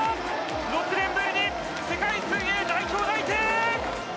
６年ぶりに世界水泳代表内定！